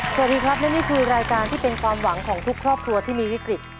สวัสดีครับและนี่คือรายการที่เป็นความหวังของทุกครอบครัวที่มีวิกฤต